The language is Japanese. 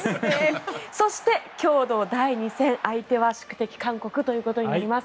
そして、今日の第２戦相手は宿敵・韓国となります。